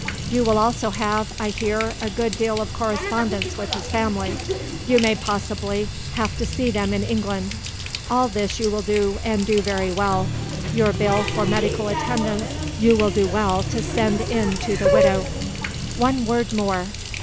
You will also have, I hear, a good deal of correspondence with his family. You may, possibly, have to see them in England. All this you will do, and do very well. Your bill for medical attendance you will do well to send in to the widow. "One word more.